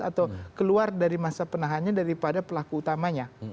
atau keluar dari masa penahanan daripada pelaku utamanya